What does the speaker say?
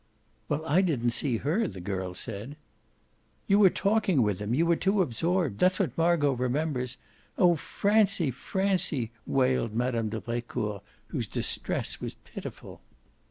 "Well, I didn't see her," the girl said. "You were talking with him you were too absorbed: that's what Margot remembers. Oh Francie, Francie!" wailed Mme. de Brecourt, whose distress was pitiful.